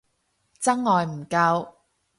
真愛唔夠